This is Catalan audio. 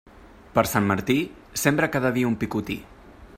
Per Sant Martí, sembra cada dia un picotí.